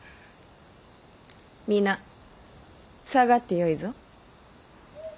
皆下がってよいぞ。